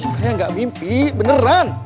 saya gak mimpi beneran